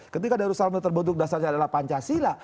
ketika darul salam terbentuk dasarnya adalah pancasila